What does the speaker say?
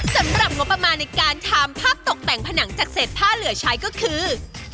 สำหรับงบประมาณในการทำภาพตกแต่งผนังจากเศษผ้าเหลือใช้ก็คือ